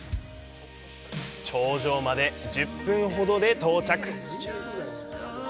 頂上まで１０分ほどで到着。